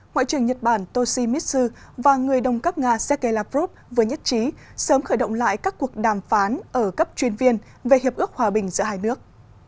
ngoại trưởng nhật bản toshimitsu và người đồng cấp nga sergei lavrov vừa nhất trí sớm khởi động lại các cuộc đàm phán ở cấp chuyên viên về hiệp ước hòa bình giữa hai nước